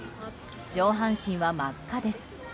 上半身は真っ赤です。